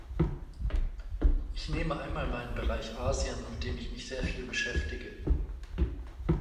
Ich nehme einmal meinen Bereich Asien, mit dem ich mich sehr viel beschäftige.